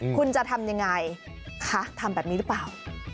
คุณจะทำยังไงคะทำแบบนี้หรือเปล่า